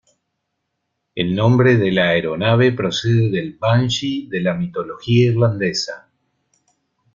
El nombre de la aeronave procede del "banshee" de la mitología irlandesa.